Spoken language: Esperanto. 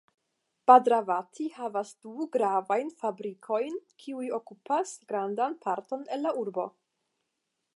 Bhadravati havas du gravajn fabrikojn kiuj okupas grandan parton el la urbo.